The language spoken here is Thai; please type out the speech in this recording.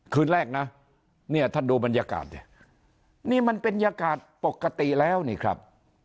คืนแรกนะเนี่ยท่านดูบรรยากาศดินี่มันบรรยากาศปกติแล้วนี่ครับ